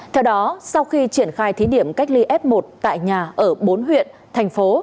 theo đó sau khi triển khai thí điểm cách ly f một tại nhà ở bốn huyện thành phố